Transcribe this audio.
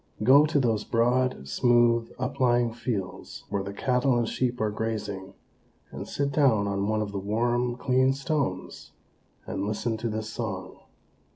Go to those broad, smooth, uplying fields, where the cattle and sheep are grazing, and sit down on one of the warm, clean stones, and listen to this song.